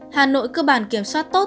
hà nội cơ bản kiểm soát tốt